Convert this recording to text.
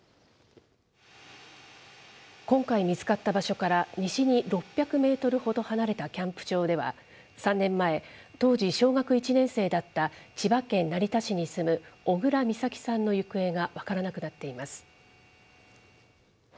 今回見つかった場所から、西に６００メートルほど離れたキャンプ場では、３年前、当時小学１年生だった千葉県成田市に住む小倉美咲さんの行方が分からなくなっています。